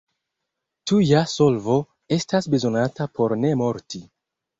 Tuja solvo estas bezonata por ne morti.